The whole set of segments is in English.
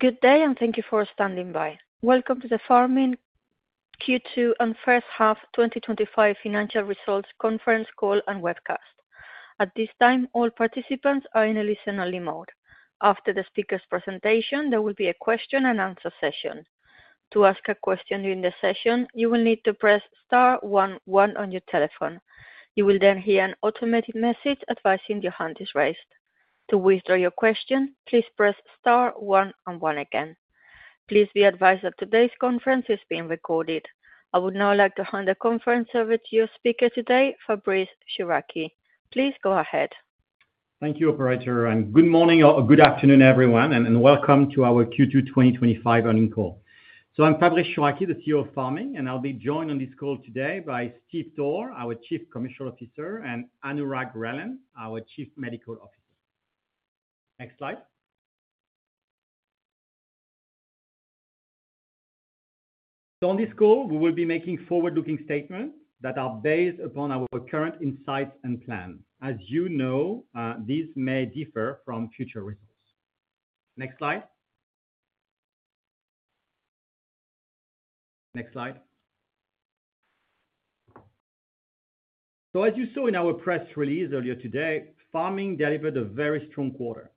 Good day and thank you for standing by. Welcome to the Pharming Q2 and first half 2025 financial results conference call and webcast. At this time, all participants are in a listen-only mode. After the speaker's presentation, there will be a question-and-answer session. To ask a question during the session, you will need to press star one one on your telephone. You will then hear an automated message advising your hand is raised. To withdraw your question, please press star one and one again. Please be advised that today's conference is being recorded. I would now like to hand the conference over to your speaker today, Fabrice Chouraqui. Please go ahead. Thank you, operator, and good morning or good afternoon, everyone, and welcome to our Q2 2025 earnings call. I'm Fabrice Chouraqui, the CEO of Pharming, and I'll be joined on this call today by Steve Toor, our Chief Commercial Officer, and Anurag Relan, our Chief Medical Officer. Next slide. On this call, we will be making forward-looking statements that are based upon our current insights and plan. As you know, these may differ from future results. Next slide. Next slide. As you saw in our press release earlier today, Pharming delivered a very strong quarter.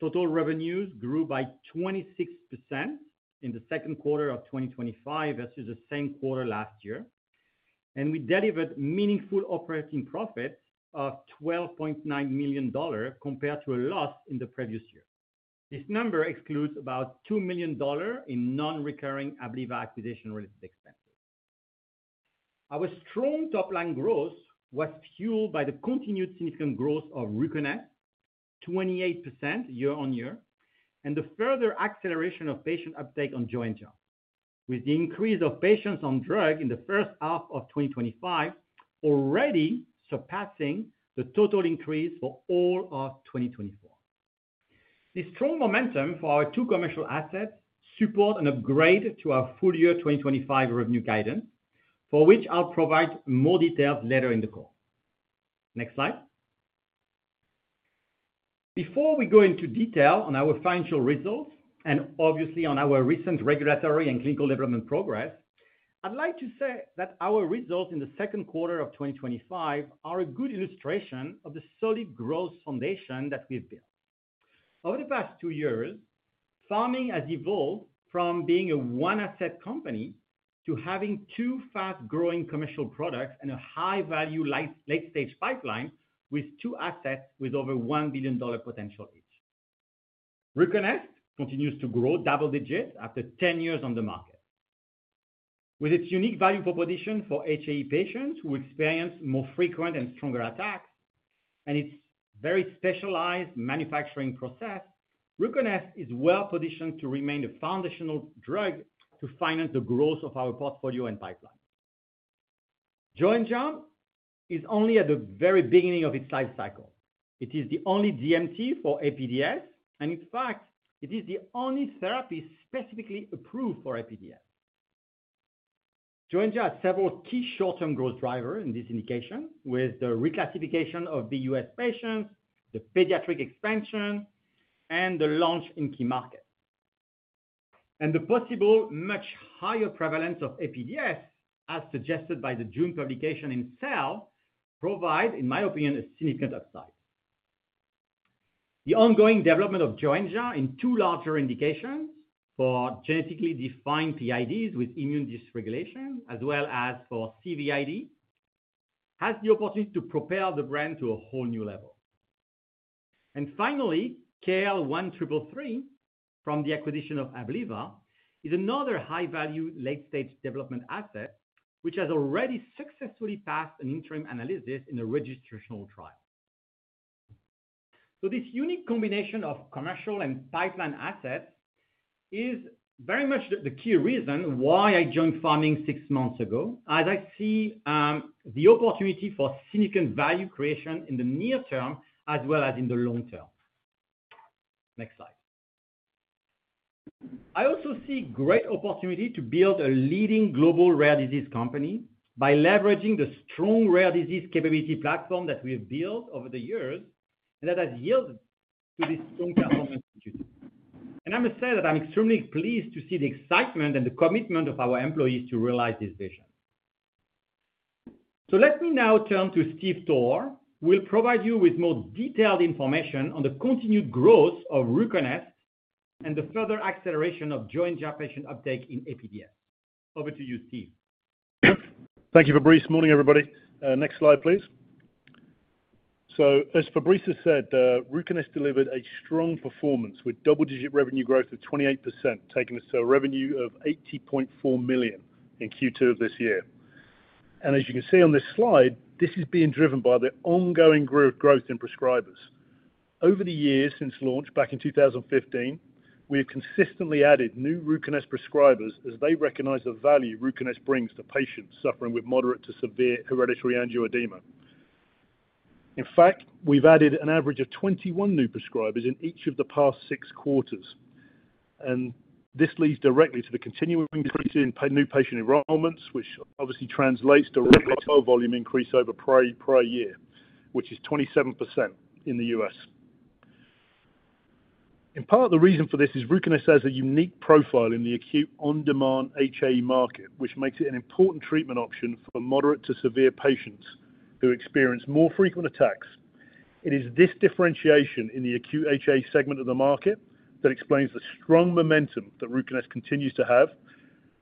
Total revenues grew by 26% in the second quarter of 2025 versus the same quarter last year. We delivered meaningful operating profits of $12.9 million compared to a loss in the previous year. This number excludes about $2 million in non-recurring Abliva acquisition-related expenses. Our strong top-line growth was fueled by the continued significant growth of RUCONEST, 28% year-on-year, and the further acceleration of patient uptake on Joenja, with the increase of patients on drug in the first half of 2025 already surpassing the total increase for all of 2024. This strong momentum for our two commercial assets supports an upgrade to our full-year 2025 revenue guidance, for which I'll provide more details later in the call. Next slide. Before we go into detail on our financial results and obviously on our recent regulatory and clinical development progress, I'd like to say that our results in the second quarter of 2025 are a good illustration of the solid growth foundation that we've built. Over the past two years, Pharming has evolved from being a one-asset company to having two fast-growing commercial products and a high-value late-stage pipeline with two assets with over $1 billion potential each. RUCONEST continues to grow double digits after 10 years on the market. With its unique value proposition for HAE patients who experience more frequent and stronger attacks, and its very specialized manufacturing process, RUCONEST is well-positioned to remain the foundational drug to finance the growth of our portfolio and pipeline. Joenja is only at the very beginning of its life cycle. It is the only DMT for APDS, and in fact, it is the only therapy specifically approved for APDS. Joenja had several key short-term growth drivers in this indication, with the reclassification of VUS patients, the pediatric expansion, and the launch in key markets. The possible much higher prevalence of APDS, as suggested by the June publication in Cell, provides, in my opinion, a significant upside. The ongoing development of Joenja in two larger indications for genetically defined PIDs with immune dysregulation, as well as for CVID, has the opportunity to propel the brand to a whole new level. KL1333, from the acquisition of Abliva, is another high-value late-stage development asset, which has already successfully passed an interim analysis in a registrational trial. This unique combination of commercial and pipeline assets is very much the key reason why I joined Pharming six months ago, as I see the opportunity for significant value creation in the near-term as well as in the long-term. Next slide. I also see a great opportunity to build a leading global rare disease company by leveraging the strong rare disease capability platform that we've built over the years and that has yielded this strong performance in Q2. I must say that I'm extremely pleased to see the excitement and the commitment of our employees to realize this vision. Let me now turn to Steve Toor, who will provide you with more detailed information on the continued growth of RUCONEST and the further acceleration of Joenja patient uptake in APDS. Over to you, Steve. Thank you, Fabrice. Morning, everybody. Next slide, please. As Fabrice has said, RUCONEST delivered a strong performance with double-digit revenue growth of 28%, taking us to a revenue of $80.4 million in Q2 of this year. As you can see on this slide, this is being driven by the ongoing growth in prescribers. Over the years since launch back in 2015, we have consistently added new RUCONEST prescribers as they recognize the value RUCONEST brings to patients suffering with moderate to severe hereditary angioedema. In fact, we've added an average of 21 new prescribers in each of the past six quarters. This leads directly to the continuing patient enrollments, which obviously translates directly to a volume increase over prior year, which is 27% in the U.S. In part, the reason for this is RUCONEST has a unique profile in the acute on-demand HAE market, which makes it an important treatment option for moderate to severe patients who experience more frequent attacks. It is this differentiation in the acute HAE segment of the market that explains the strong momentum that RUCONEST continues to have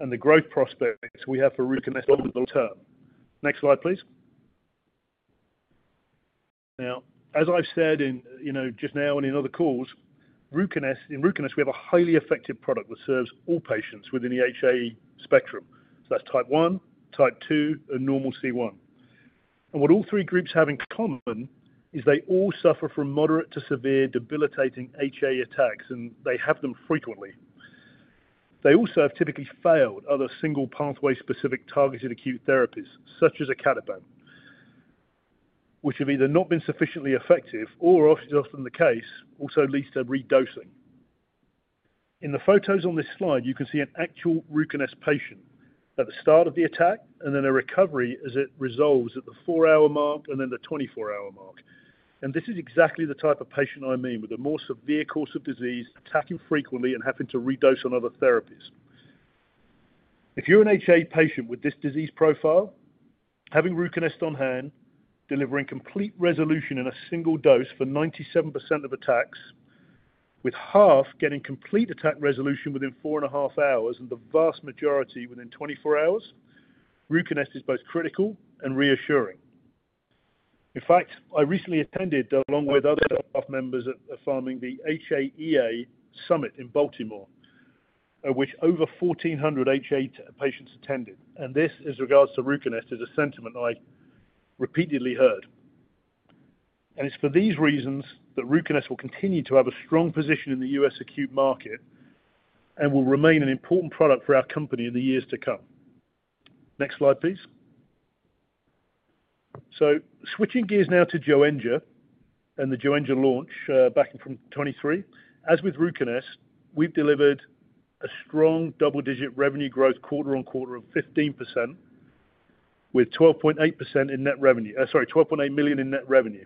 and the growth prospects we have for RUCONEST over the long-term. Next slide, please. As I've said just now and in other calls, in RUCONEST, we have a highly effective product that serves all patients within the HAE spectrum. That's Type 1, Type 2, and normal C1. What all three groups have in common is they all suffer from moderate to severe debilitating HAE attacks, and they have them frequently. They also have typically failed other single pathway-specific targeted acute therapies, such as icatibant, which have either not been sufficiently effective or, as is often the case, also leads to redosing. In the photos on this slide, you can see an actual RUCONEST patient at the start of the attack and then a recovery as it resolves at the four-hour mark and then the 24-hour mark. This is exactly the type of patient I mean, with a more severe course of disease, attacking frequently, and having to redose on other therapies. If you're an HAE patient with this disease profile, having RUCONEST on hand, delivering complete resolution in a single dose for 97% of attacks, with half getting complete attack resolution within four and a half hours and the vast majority within 24 hours, RUCONEST is both critical and reassuring. In fact, I recently attended, along with other staff members at Pharming, the HAEA Summit in Baltimore, which over 1,400 HAE patients attended. This is in regards to RUCONEST as a sentiment I've repeatedly heard. It is for these reasons that RUCONEST will continue to have a strong position in the U.S. acute market and will remain an important product for our company in the years to come. Next slide, please. Switching gears now to Joenja and the Joenja launch back in 2023, as with RUCONEST, we've delivered strong double-digit revenue growth quarter on quarter of 15%, with $12.8 million in net revenue.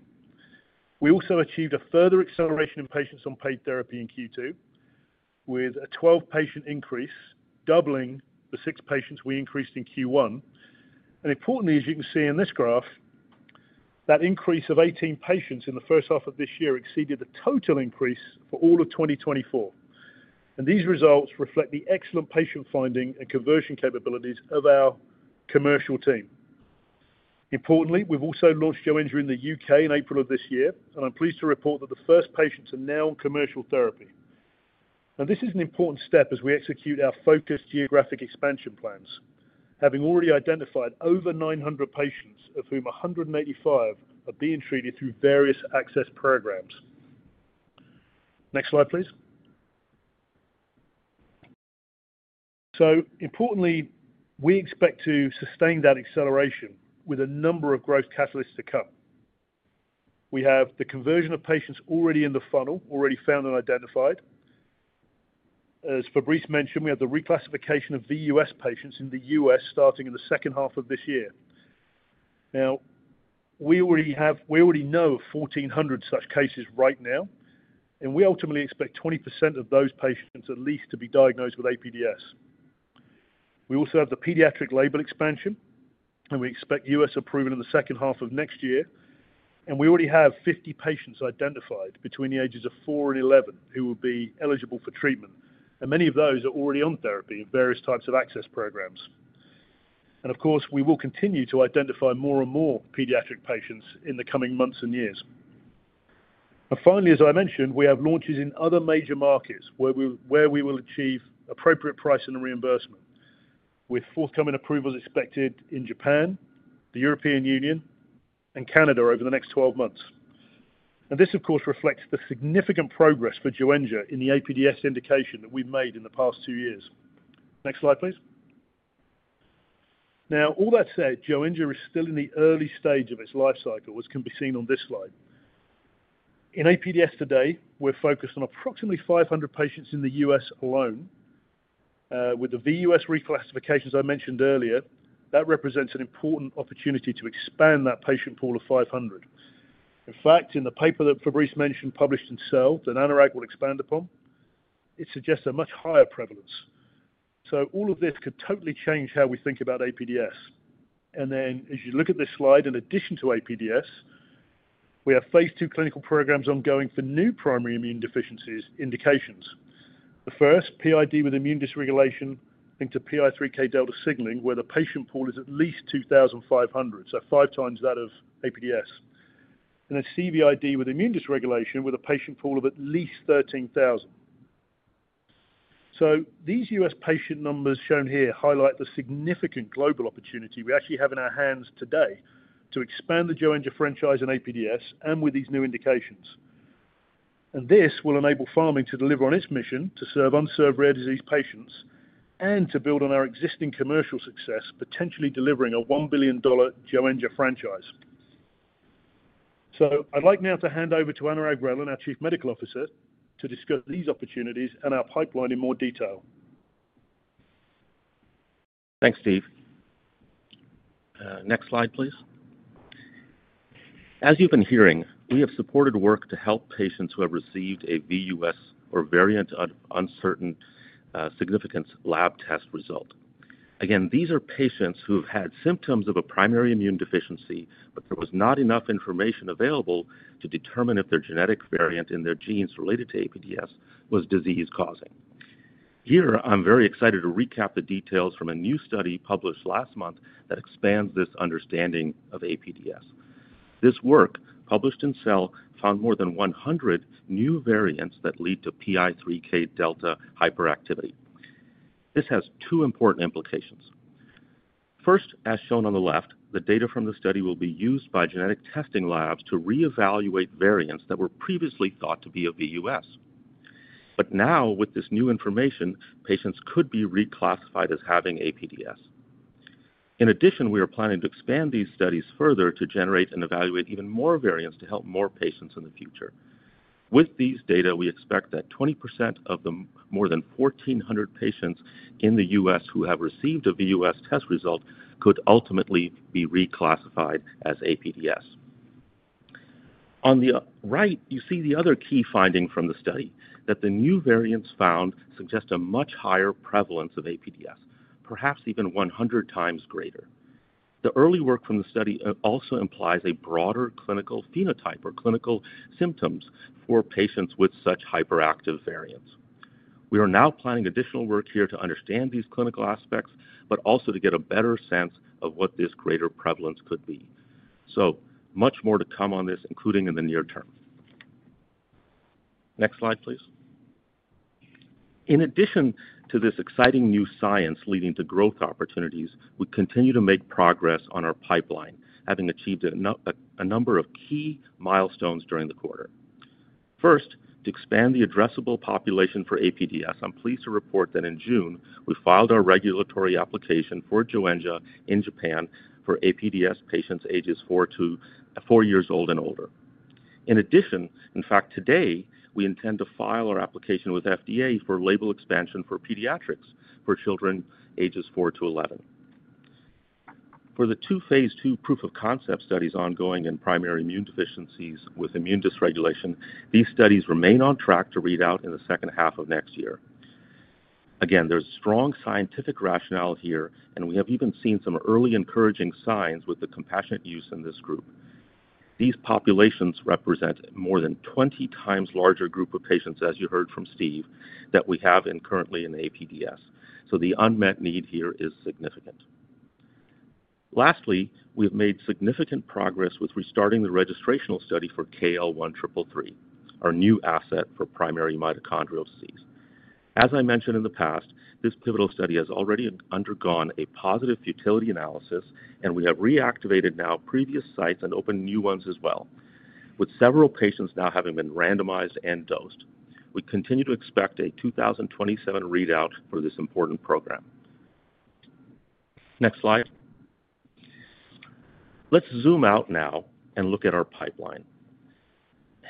We also achieved a further acceleration in patients on paid therapy in Q2, with a 12-patient increase, doubling the six patients we increased in Q1. Importantly, as you can see in this graph, that increase of 18 patients in the first half of this year exceeded the total increase for all of 2024. These results reflect the excellent patient finding and conversion capabilities of our commercial team. Importantly, we've also launched Joenja in the U.K. in April of this year, and I'm pleased to report that the first patients are now on commercial therapy. This is an important step as we execute our focused geographic expansion plans, having already identified over 900 patients, of whom 185 are being treated through various access programs. Next slide, please. Importantly, we expect to sustain that acceleration with a number of growth catalysts to come. We have the conversion of patients already in the funnel, already found and identified. As Fabrice mentioned, we have the reclassification of VUS patients in the U.S. starting in the second half of this year. We already know of 1,400 such cases right now, and we ultimately expect 20% of those patients at least to be diagnosed with APDS. We also have the pediatric label expansion, and we expect U.S. approval in the second half of next year. We already have 50 patients identified between the ages of four and 11 who will be eligible for treatment, and many of those are already on therapy in various types of access programs. We will continue to identify more and more pediatric patients in the coming months and years. And finally, as I mentioned, we have launches in other major markets where we will achieve appropriate pricing and reimbursement, with forthcoming approvals expected in Japan, the European Union, and Canada over the next 12 months. This, of course, reflects the significant progress for Joenja in the APDS indication that we've made in the past two years. Next slide, please. Now, all that said, Joenja is still in the early stage of its life cycle, as can be seen on this slide. In APDS today, we're focused on approximately 500 patients in the U.S. alone. With the VUS reclassifications I mentioned earlier, that represents an important opportunity to expand that patient pool to 500. In fact, in the paper that Fabrice mentioned published in Cell that Anurag will expand upon, it suggests a much higher prevalence. All of this could totally change how we think about APDS. As you look at this slide, in addition to APDS, we have phase II clinical programs ongoing for new primary immunodeficiency indications. The first, PID with immune dysregulation linked to PI3K delta signaling, where the patient pool is at least 2,500, 5x that of APDS. CVID with immune dysregulation has a patient pool of at least 13,000. These U.S. patient numbers shown here highlight the significant global opportunity we actually have in our hands today to expand the Joenja franchise in APDS and with these new indications. This will enable Pharming to deliver on its mission to serve unserved rare disease patients and to build on our existing commercial success, potentially delivering a $1 billion Joenja franchise. I'd like now to hand over to Anurag Relan, our Chief Medical Officer, to discuss these opportunities and our pipeline in more detail. Thanks, Steve. Next slide, please. As you've been hearing, we have supported work to help patients who have received a VUS or variant of uncertain significance lab test result. These are patients who have had symptoms of a primary immunodeficiency, but there was not enough information available to determine if their genetic variant in their genes related to APDS was disease-causing. Here, I'm very excited to recap the details from a new study published last month that expands this understanding of APDS. This work, published in Cell, found more than 100 new variants that lead to PI3K delta hyperactivity. This has two important implications. First, as shown on the left, the data from the study will be used by genetic testing labs to reevaluate variants that were previously thought to be a VUS. With this new information, patients could be reclassified as having APDS. In addition, we are planning to expand these studies further to generate and evaluate even more variants to help more patients in the future. With these data, we expect that 20% of the more than 1,400 patients in the U.S. who have received a VUS test result could ultimately be reclassified as APDS. On the right, you see the other key finding from the study, that the new variants found suggest a much higher prevalence of APDS, perhaps even 100x greater. The early work from the study also implies a broader clinical phenotype or clinical symptoms for patients with such hyperactive variants. We are now planning additional work here to understand these clinical aspects, but also to get a better sense of what this greater prevalence could be. Much more to come on this, including in the near-term. Next slide, please. In addition to this exciting new science leading to growth opportunities, we continue to make progress on our pipeline, having achieved a number of key milestones during the quarter. First, to expand the addressable population for APDS, I'm pleased to report that in June, we filed our regulatory application for Joenja in Japan for APDS patients ages four years old and older. In addition, today, we intend to file our application with FDA for label expansion for pediatrics for children ages four to 11. For the two phase II proof of concept studies ongoing in primary immunodeficiencies with immune dysregulation, these studies remain on track to read out in the second half of next year. Again, there's strong scientific rationale here, and we have even seen some early encouraging signs with the compassionate use in this group. These populations represent a more than 20x larger group of patients, as you heard from Steve, than we have currently in APDS. The unmet need here is significant. Lastly, we've made significant progress with restarting the registrational study for KL1333, our new asset for primary mitochondrial disease. As I mentioned in the past, this pivotal study has already undergone a positive futility analysis, and we have reactivated now previous sites and opened new ones as well, with several patients now having been randomized and dosed. We continue to expect a 2027 readout for this important program. Next slide. Let's zoom out now and look at our pipeline.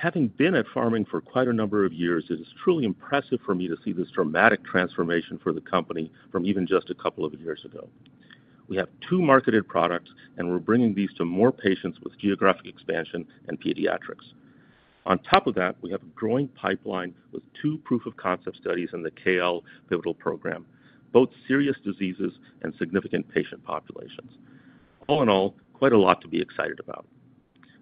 Having been at Pharming for quite a number of years, it is truly impressive for me to see this dramatic transformation for the company from even just a couple of years ago. We have two marketed products, and we're bringing these to more patients with geographic expansion and pediatrics. On top of that, we have a growing pipeline with two proof of concept studies in the KL pivotal program, both serious diseases and significant patient populations. All in all, quite a lot to be excited about.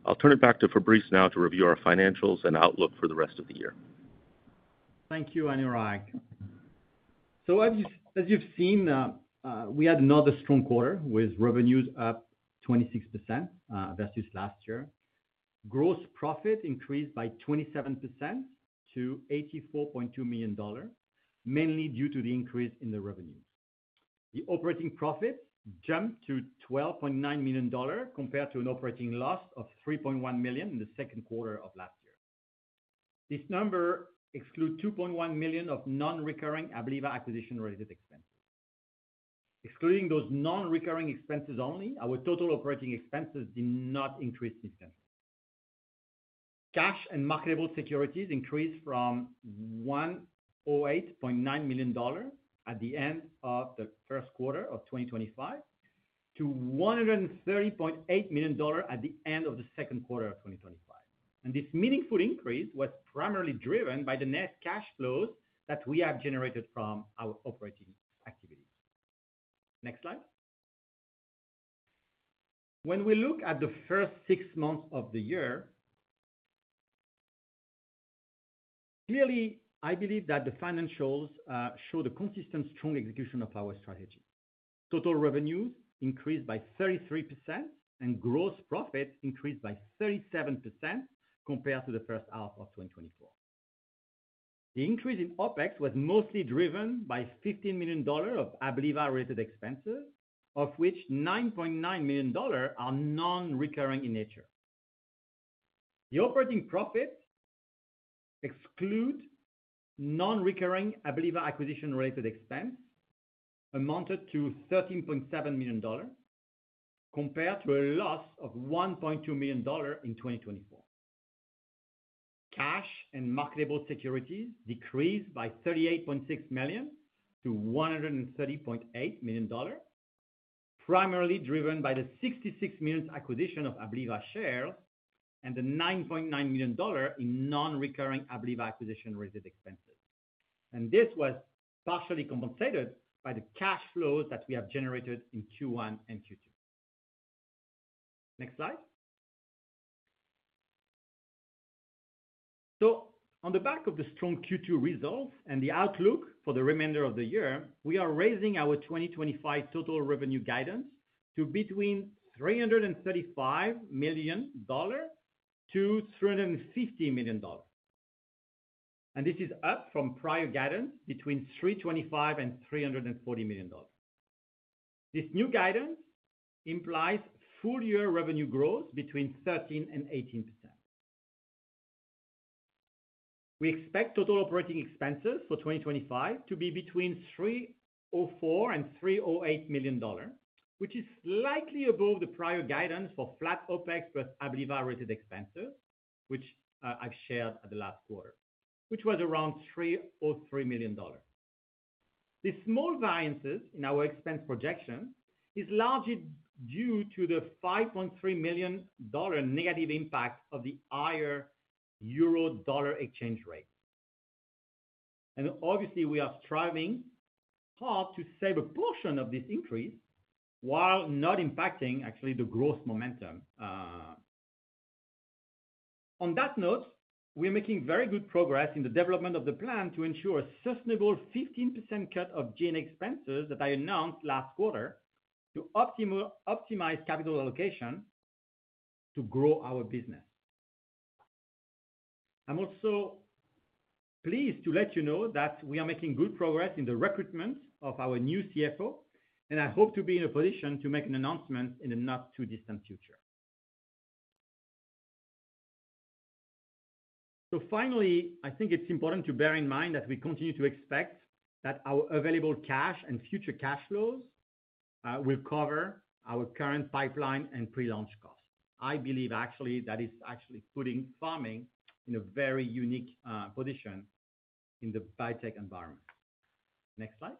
I'll turn it back to Fabrice now to review our financials and outlook for the rest of the year. Thank you, Anurag. As you've seen, we had another strong quarter with revenues up 26% versus last year. Gross profit increased by 27% to $84.2 million, mainly due to the increase in the revenue. The operating profits jumped to $12.9 million compared to an operating loss of $3.1 million in the second quarter of last year. This number excludes $2.1 million of non-recurring Abliva acquisition-related expenses. Excluding those non-recurring expenses only, our total operating expenses did not increase significantly. Cash and marketable securities increased from $108.9 million at the end of the first quarter of 2025 to $130.8 million at the end of the second quarter of 2025. This meaningful increase was primarily driven by the net cash flows that we have generated from our operating activities. Next slide. When we look at the first six months of the year, clearly, I believe that the financials show the consistent strong execution of our strategy. Total revenues increased by 33% and gross profits increased by 37% compared to the first half of 2024. The increase in OpEx was mostly driven by $15 million of Abliva-related expenses, of which $9.9 million are non-recurring in nature. The operating profits exclude non-recurring Abliva acquisition-related expenses amounted to $13.7 million compared to a loss of $1.2 million in 2024. Cash and marketable securities decreased by $38.6 million to $130.8 million, primarily driven by the $66 million acquisition of Abliva shares and the $9.9 million in non-recurring Abliva acquisition-related expenses. This was partially compensated by the cash flows that we have generated in Q1 and Q2. Next slide. On the back of the strong Q2 results and the outlook for the remainder of the year, we are raising our 2025 total revenue guidance to between $335 million-$350 million. This is up from prior guidance between $325 million and $340 million. This new guidance implies full-year revenue growth between 13% and 18%. We expect total operating expenses for 2025 to be between $304 million and $308 million, which is slightly above the prior guidance for flat OpEx plus Abliva-related expenses, which I've shared at the last quarter, which was around $303 million. The small variances in our expense projection are largely due to the $5.3 million negative impact of the higher euro-dollar exchange rate. We are striving hard to save a portion of this increase while not impacting actually the growth momentum. On that note, we are making very good progress in the development of the plan to ensure a sustainable 15% cut of G&A expenses that I announced last quarter to optimize capital allocation to grow our business. I'm also pleased to let you know that we are making good progress in the recruitment of our new CFO, and I hope to be in a position to make an announcement in the not-too-distant future. Finally, I think it's important to bear in mind that we continue to expect that our available cash and future cash flows will cover our current pipeline and pre-launch costs. I believe, actually, that is actually putting Pharming in a very unique position in the biotech environment. Next slide.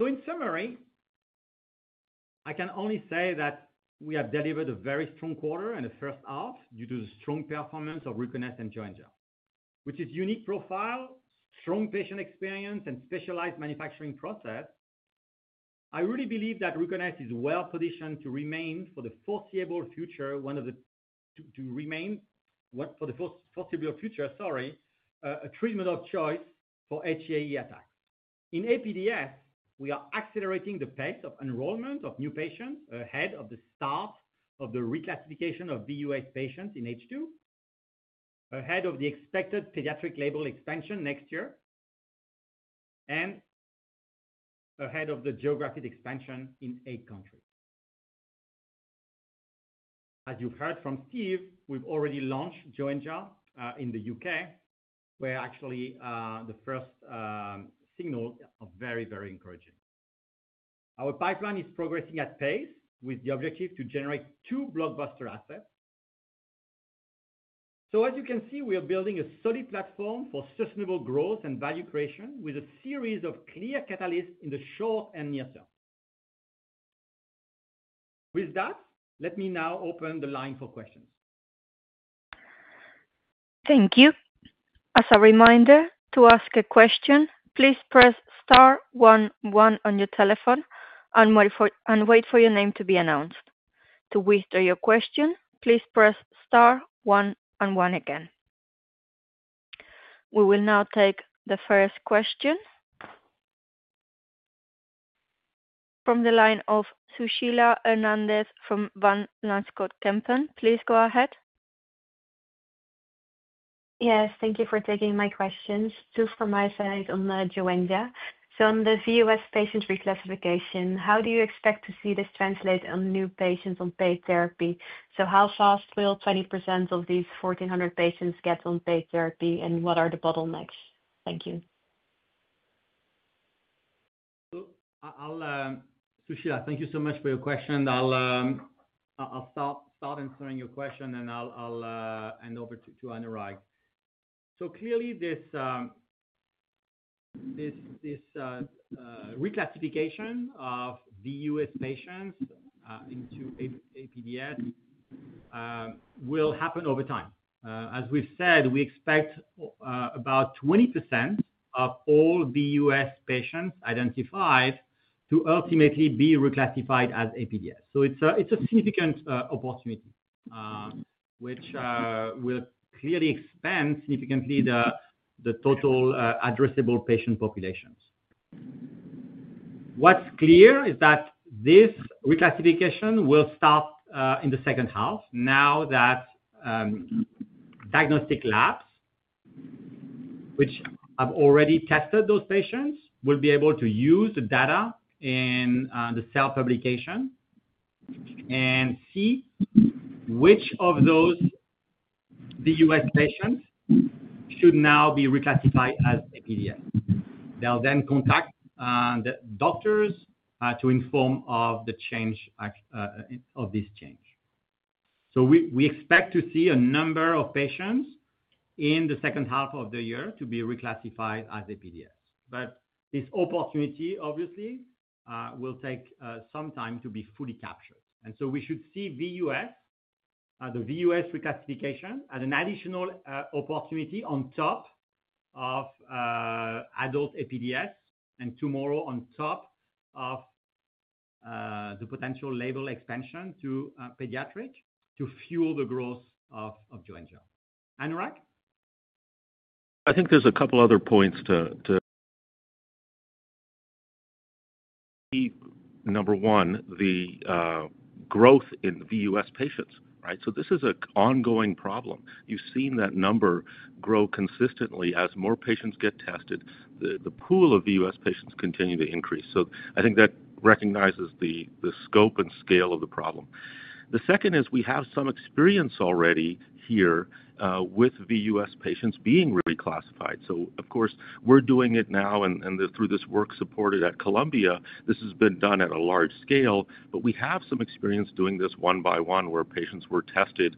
In summary, I can only say that we have delivered a very strong quarter in the first half due to the strong performance of RUCONEST and Joenja, which is a unique profile, strong patient experience, and specialized manufacturing process. I really believe that RUCONEST is well-positioned to remain for the foreseeable future, a treatment of choice for HAE attacks. In APDS, we are accelerating the pace of enrollment of new patients ahead of the start of the reclassification of VUS patients in H2, ahead of the expected pediatric label expansion next year, and ahead of the geographic expansion in eight countries. As you've heard from Steve, we've already launched Joenja in the U.K., where actually the first signals are very, very encouraging. Our pipeline is progressing at pace with the objective to generate two blockbuster assets. As you can see, we are building a solid platform for sustainable growth and value creation with a series of clear catalysts in the short and near-term. With that, let me now open the line for questions. Thank you. As a reminder, to ask a question, please press star one one on your telephone and wait for your name to be announced. To withdraw your question, please press star one and one again. We will now take the first question from the line of Sushila Hernandez from Van Lanschot Kempen. Please go ahead. Yes, thank you for taking my questions. Just from my side on the Joenja. On the VUS patient reclassification, how do you expect to see this translate on new patients on paid therapy? How fast will 20% of these 1,400 patients get on paid therapy and what are the bottlenecks? Thank you. Sushila, thank you so much for your question. I'll start answering your question and I'll hand over to Anurag. Clearly, this reclassification of VUS patients into APDS will happen over time. As we've said, we expect about 20% of all VUS patients identified to ultimately be reclassified as APDS. It's a significant opportunity, which will clearly expand significantly the total addressable patient populations. What's clear is that this reclassification will start in the second half now that diagnostic labs, which have already tested those patients, will be able to use the data in the Cell publication and see which of those VUS patients should now be reclassified as APDS. They'll then contact the doctors to inform of this change. We expect to see a number of patients in the second half of the year to be reclassified as APDS. This opportunity, obviously, will take some time to be fully captured. We should see the VUS reclassification as an additional opportunity on top of adult APDS and tomorrow on top of the potential label expansion to pediatric to fuel the growth of Joenja. Anurag? I think there's a couple other points to keep. Number one, the growth in VUS patients, right? This is an ongoing problem. You've seen that number grow consistently as more patients get tested. The pool of VUS patients continues to increase. I think that recognizes the scope and scale of the problem. The second is we have some experience already here with VUS patients being reclassified. We're doing it now and through this work supported at Columbia. This has been done at a large scale, but we have some experience doing this one by one where patients were tested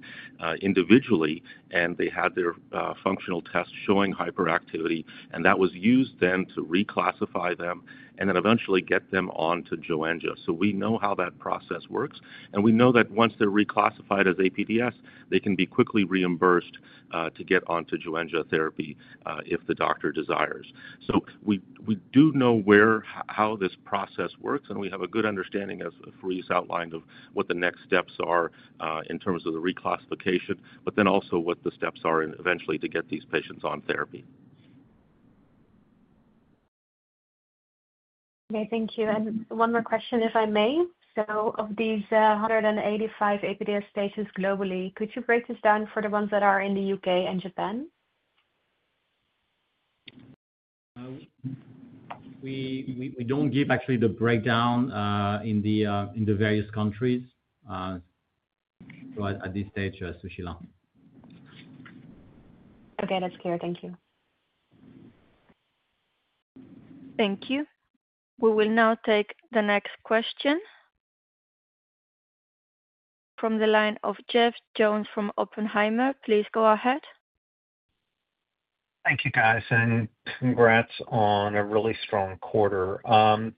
individually and they had their functional tests showing hyperactivity, and that was used then to reclassify them and then eventually get them onto Joenja. We know how that process works, and we know that once they're reclassified as APDS, they can be quickly reimbursed to get onto Joenja therapy if the doctor desires. We do know how this process works, and we have a good understanding as Fabrice outlined of what the next steps are in terms of the reclassification, but then also what the steps are eventually to get these patients on therapy. Thank you. One more question, if I may. Of these 185 APDS cases globally, could you break this down for the ones that are in the U.K. and Japan? We don't give actually the breakdown in the various countries. At this stage, Sushila. Okay, that's clear. Thank you. Thank you. We will now take the next question from the line of Jeff Jones from Oppenheimer. Please go ahead. Thank you, guys, and congrats on a really strong quarter.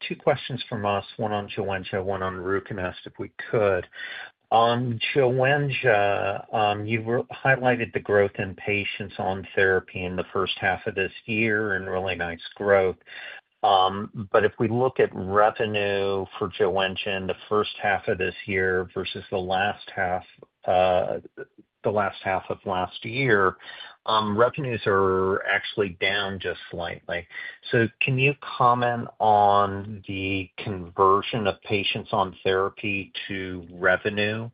Two questions from us, one on Joenja, one on RUCONEST, if we could. On Joenja, you highlighted the growth in patients on therapy in the first half of this year and really nice growth. If we look at revenue for Joenja in the first half of this year versus the last half of last year, revenues are actually down just slightly. Can you comment on the conversion of patients on therapy to revenue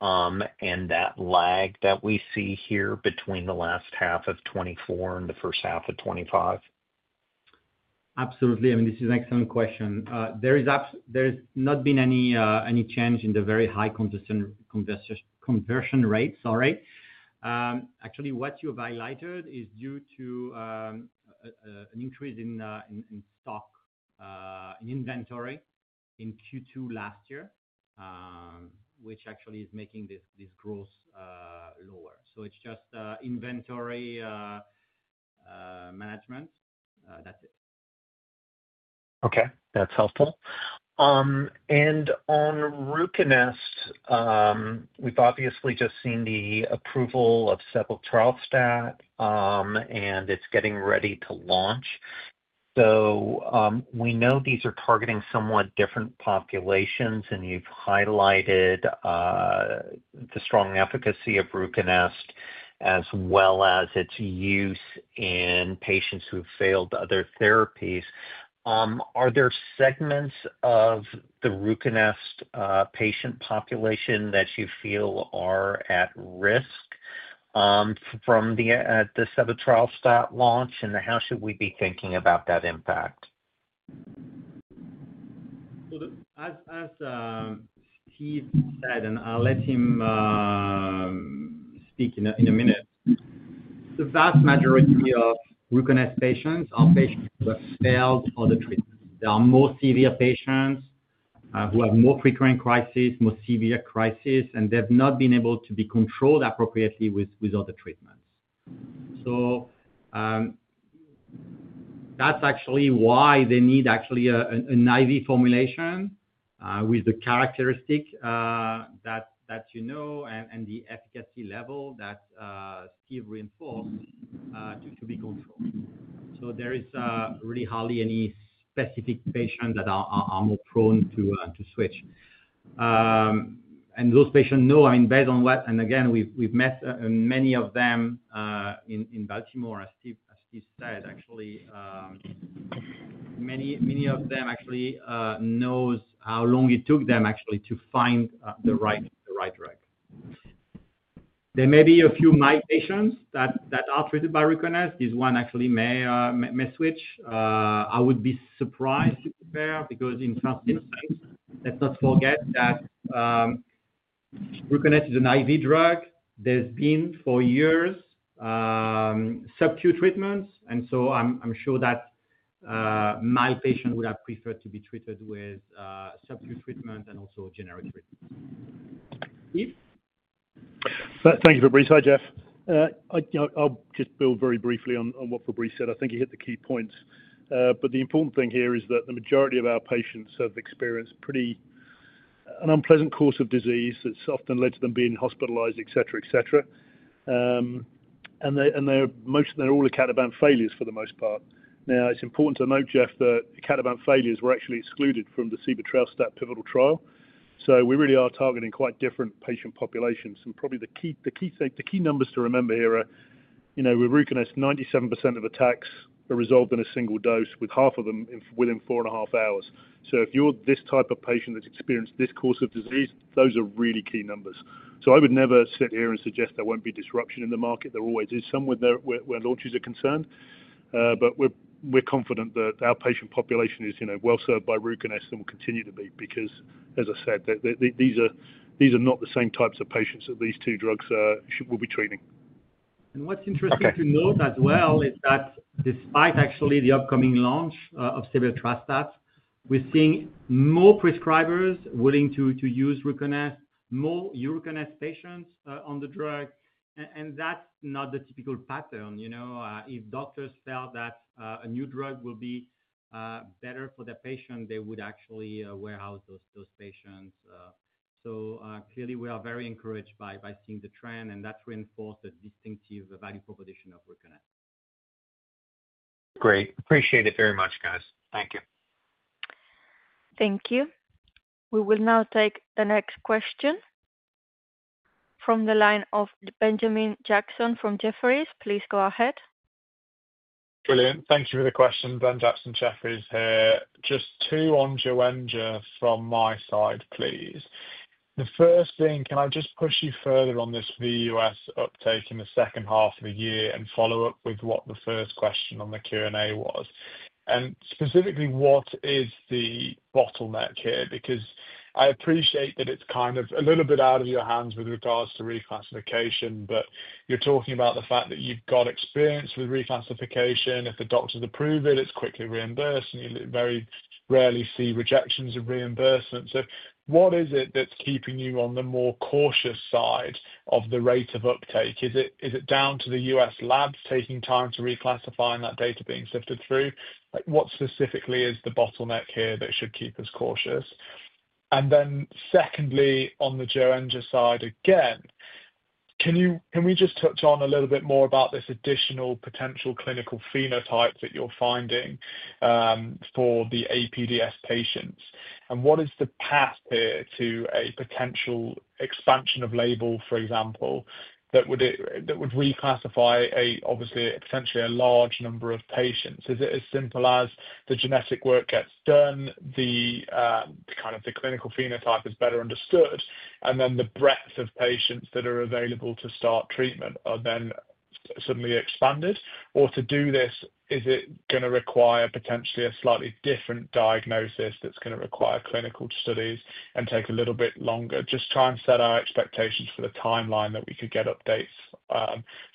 and that lag that we see here between the last half of 2024 and the first half of 2025? Absolutely. This is an excellent question. There's not been any change in the very high conversion rates. What you've highlighted is due to an increase in stock, in inventory in Q2 last year, which actually is making this growth lower. It's just inventory management. Okay, that's helpful. On RUCONEST, we've obviously just seen the approval of several trial stats, and it's getting ready to launch. We know these are targeting somewhat different populations, and you've highlighted the strong efficacy of RUCONEST as well as its use in patients who've failed other therapies. Are there segments of the RUCONEST patient population that you feel are at risk from the seven-trial stat launch? How should we be thinking about that impact? As Steve said, and I'll let him speak in a minute, the vast majority of RUCONEST patients are patients who have failed other treatments. There are more severe patients who have more frequent crises, more severe crises, and they've not been able to be controlled appropriately with other treatments. That's actually why they need actually an IV formulation with the characteristic that you know and the efficacy level that Steve reinforced to be controlled. There is really hardly any specific patient that are more prone to switch. Those patients know, I mean, based on what, and again, we've met many of them in Baltimore, as Steve said, actually, many of them actually know how long it took them actually to find the right drug. There may be a few my patients that are treated by RUCONEST. This one actually may switch. I would be surprised there because in some instances, let's not forget that RUCONEST is an IV drug. There's been for years subcutaneous treatments, and I'm sure that my patient would have preferred to be treated with subcutaneous treatment and also generic treatment. Steve. Thank you, Fabrice. Hi, Jeff. I'll just build very briefly on what Fabrice said. I think he hit the key points. The important thing here is that the majority of our patients have experienced an unpleasant course of disease that's often led to them being hospitalized, etc. They're all icatibant failures for the most part. It's important to note, Jeff, that icatibant failures were actually excluded from the CB trial stat pivotal trial. We really are targeting quite different patient populations. Probably the key numbers to remember here are, with RUCONEST, 97% of attacks are resolved in a single dose, with half of them within 4.5 hours. If you're this type of patient that's experienced this course of disease, those are really key numbers. I would never sit here and suggest there won't be disruption in the market. There always is some where launches are concerned. We're confident that our patient population is well-served by RUCONEST and will continue to be because, as I said, these are not the same types of patients that these two drugs will be treating. What's interesting to note as well is that despite actually the upcoming launch of CB trial stats, we're seeing more prescribers willing to use RUCONEST, more RUCONEST patients on the drug. That's not the typical pattern. You know, if doctors felt that a new drug will be better for their patient, they would actually wear out those patients. Clearly, we are very encouraged by seeing the trend, and that reinforced the distinctive value proposition of RUCONEST. Great. Appreciate it very much, guys. Thank you. Thank you. We will now take the next question from the line of Benjamin Jackson from Jefferies. Please go ahead. Brilliant. Thank you for the questions, Ben Jackson Jefferies here. Just two on Joenja from my side, please. The first thing, can I just push you further on this VUS uptake in the second half of the year and follow up with what the first question on the Q&A was? Specifically, what is the bottleneck here? I appreciate that it's kind of a little bit out of your hands with regards to reclassification, but you're talking about the fact that you've got experience with reclassification. If the doctors approve it, it's quickly reimbursed, and you very rarely see rejections of reimbursement. What is it that's keeping you on the more cautious side of the rate of uptake? Is it down to the U.S. labs taking time to reclassify and that data being sifted through? What specifically is the bottleneck here that should keep us cautious? Secondly, on the Joenja side again, can we just touch on a little bit more about this additional potential clinical phenotype that you're finding for the APDS patients? What is the path here to a potential expansion of label, for example, that would reclassify obviously potentially a large number of patients? Is it as simple as the genetic work gets done, the clinical phenotype is better understood, and then the breadth of patients that are available to start treatment are then suddenly expanded? To do this, is it going to require potentially a slightly different diagnosis that's going to require clinical studies and take a little bit longer? Just try and set our expectations for the timeline that we could get updates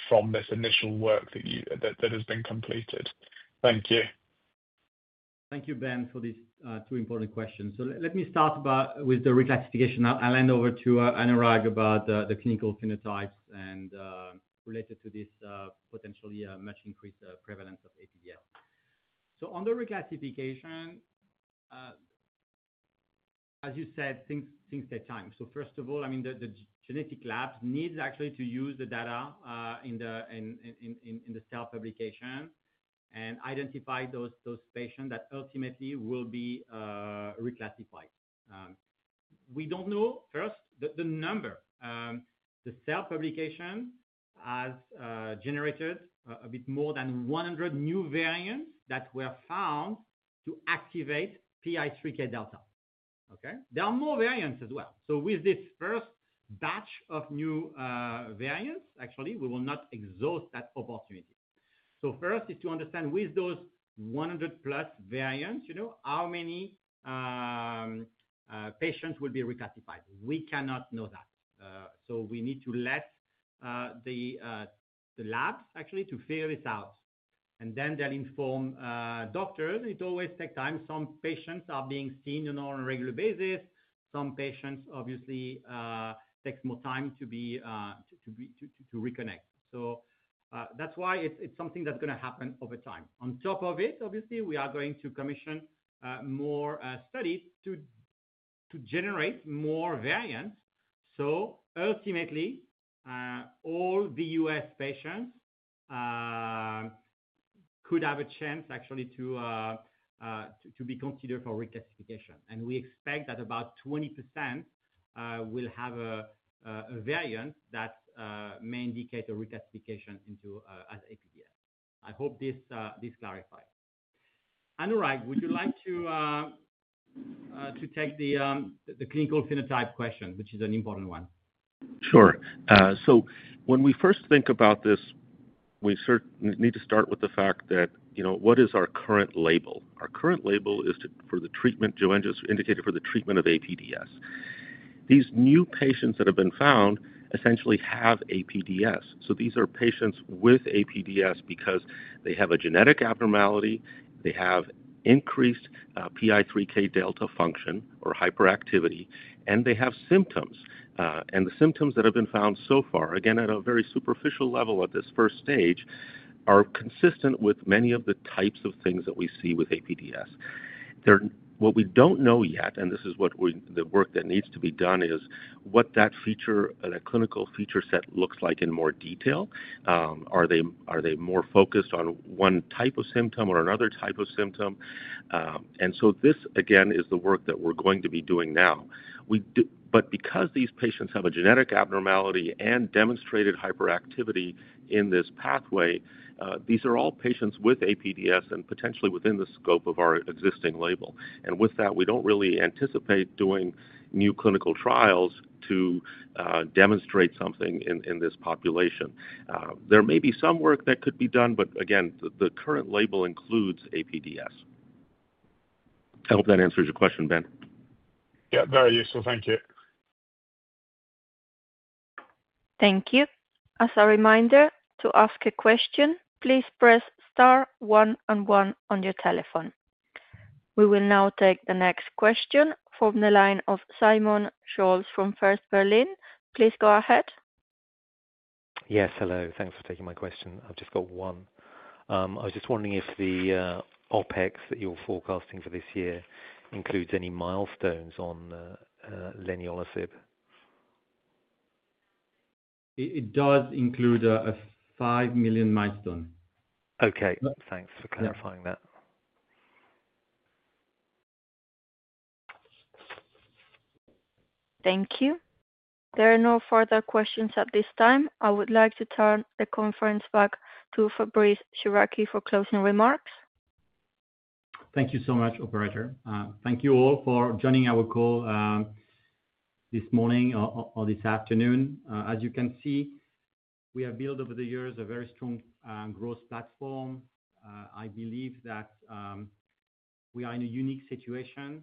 from this initial work that you that has been completed. Thank you. Thank you, Ben, for these two important questions. Let me start with the reclassification. I'll hand over to Anurag about the clinical phenotypes and related to this potentially much increased prevalence of APDS. On the reclassification, as you said, things take time. First of all, the genetic labs need actually to use the data in the Cell publication and identify those patients that ultimately will be reclassified. We don't know first the number. The Cell publication has generated a bit more than 100 new variants that were found to activate PI3K delta. There are more variants as well. With this first batch of new variants, we will not exhaust that opportunity. If you understand with those 100+ variants, you know how many patients will be reclassified? We cannot know that. We need to let the labs actually figure this out. Then they'll inform doctors. It always takes time. Some patients are being seen on a regular basis. Some patients obviously take more time to be reconnected. That's why it's something that's going to happen over time. On top of it, we are going to commission more studies to generate more variants. Ultimately, all VUS patients could have a chance actually to be considered for reclassification. We expect that about 20% will have a variant that may indicate a reclassification into APDS. I hope this clarifies. Anurag, would you like to take the clinical phenotype question, which is an important one? Sure. When we first think about this, we certainly need to start with the fact that, you know, what is our current label? Our current label is for the treatment Joenja indicated for the treatment of APDS. These new patients that have been found essentially have APDS. These are patients with APDS because they have a genetic abnormality, they have increased PI3K delta function or hyperactivity, and they have symptoms. The symptoms that have been found so far, again, at a very superficial level at this first stage, are consistent with many of the types of things that we see with APDS. What we don't know yet, and this is what the work that needs to be done, is what that feature, that clinical feature set, looks like in more detail. Are they more focused on one type of symptom or another type of symptom? This, again, is the work that we're going to be doing now. Because these patients have a genetic abnormality and demonstrated hyperactivity in this pathway, these are all patients with APDS and potentially within the scope of our existing label. With that, we don't really anticipate doing new clinical trials to demonstrate something in this population. There may be some work that could be done, but again, the current label includes APDS. I hope that answers your question, Ben. Yeah, very useful. Thank you. Thank you. As a reminder, to ask a question, please press star one and one on your telephone. We will now take the next question from the line of Simon Scholes from First Berlin. Please go ahead. Yes, hello. Thanks for taking my question. I've just got one. I was just wondering if the OpEx that you're forecasting for this year includes any milestones on leniolisib? It does include a $5 million milestone. Okay, thanks for clarifying that. Thank you. There are no further questions at this time. I would like to turn the conference back to Fabrice Chouraqui for closing remarks. Thank you so much, operator. Thank you all for joining our call this morning or this afternoon. As you can see, we have built over the years a very strong growth platform. I believe that we are in a unique situation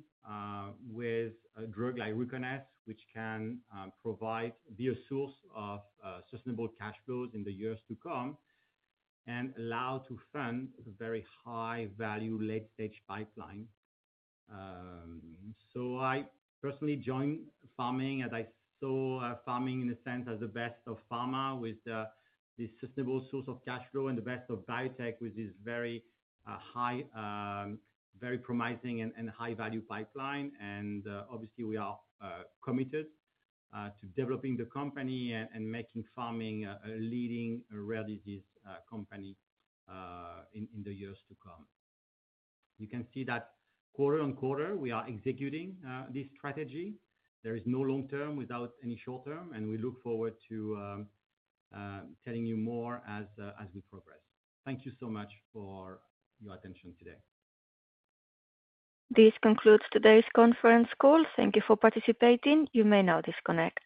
with a drug like RUCONEST, which can be a source of sustainable cash flows in the years to come and allow to fund a very high-value late-stage pipeline. I personally joined Pharming and I saw Pharming in a sense as the best of pharma with the sustainable source of cash flow and the best of biotech with this very high, very promising, and high-value pipeline. Obviously, we are committed to developing the company and making Pharming a leading rare disease company in the years to come. You can see that quarter on quarter, we are executing this strategy. There is no long-term without any short-term, and we look forward to telling you more as we progress. Thank you so much for your attention today. This concludes today's conference call. Thank you for participating. You may now disconnect.